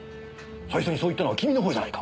最初にそう言ったのは君の方じゃないか。